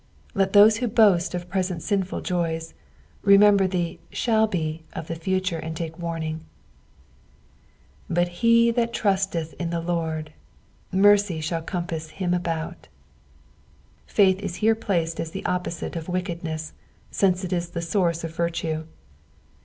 Let those who boast of present sinfnl joys, remember the thail be of the future and take warning. " But M that trutietn ia the Lord, merej/ghnll eompau himt^ut." Faith is here placed as the opposite of wickedness, since it is the source of virtue.